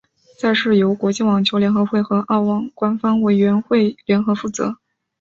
赛事由国际网球联合会和澳网官方委员会联合负责。